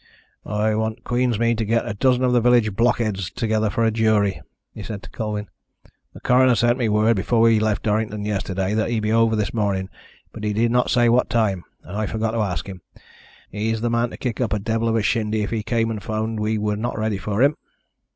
"I want Queensmead to get a dozen of the village blockheads together for a jury," he said to Colwyn. "The coroner sent me word before we left Durrington yesterday that he'd be over this morning, but he did not say what time, and I forgot to ask him. He's the man to kick up a devil of a shindy if he came and found we were not ready for him."